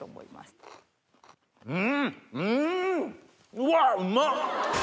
うわうまっ！